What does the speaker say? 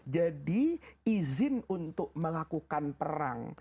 jadi izin untuk melakukan perang